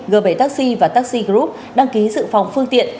g bảy taxi và taxi group đăng ký dự phòng phương tiện